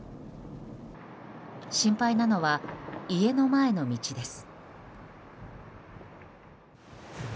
心配なのは家の前の道です。